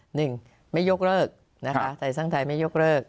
หนึ่งไทยสร้างไทยไม่ยกเลิก